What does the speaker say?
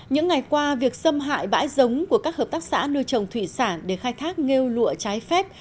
những ngày qua việc xâm hại bãi giống của các hợp tác xã nuôi trồng thủy sản để khai thác nghêu lụa trái phép